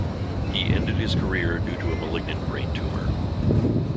He ended his career due to a malignant brain tumor.